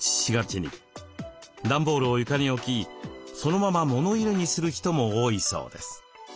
段ボールを床に置きそのまま物入れにする人も多いそうです。